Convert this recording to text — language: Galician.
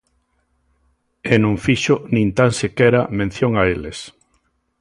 E non fixo nin tan sequera mención a eles.